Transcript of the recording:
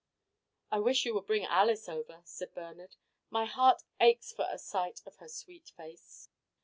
"I wish you would bring Alice over," said Bernard. "My heart aches for a sight of her sweet face."